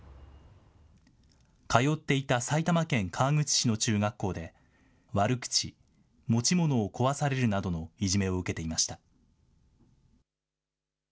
通っていた埼玉県川口市の中学校で、悪口、持ち物を壊されるなどのいじめを受けていました。